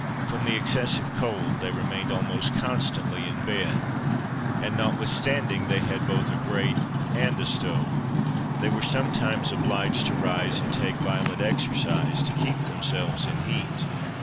From the excessive cold, they remained almost constantly in bed, and, notwithstanding they had both a grate and a stove, they were sometimes obliged to rise and take violent exercise to keep themselves in heat.